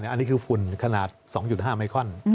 อันนี้คือฝุ่นขนาด๒๕ไมคอน